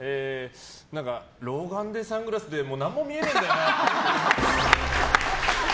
老眼でサングラスで何も見えねえんだよなあっぽい。